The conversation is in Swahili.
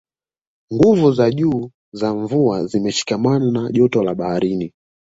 nguvu za juu za mvua zimeshikamana na joto la baharini